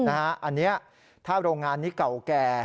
อันนี้ถ้าโรงงานนี้เก่าแก่